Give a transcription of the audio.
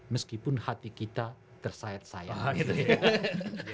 meskipun hati kita tersayat sayang